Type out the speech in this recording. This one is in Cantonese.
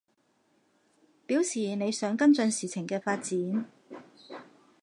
表示你想跟進事情嘅發展